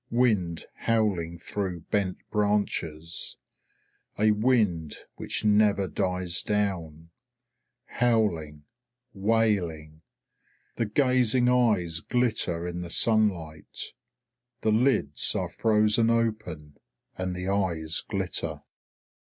Wind howling through bent branches. A wind which never dies down. Howling, wailing. The gazing eyes glitter in the sunlight. The lids are frozen open and the eyes glitter.